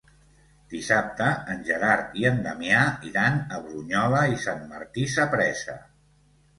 Dissabte en Gerard i en Damià iran a Brunyola i Sant Martí Sapresa.